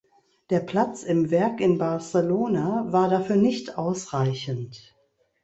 Der Platz im Werk in Barcelona war dafür nicht ausreichend.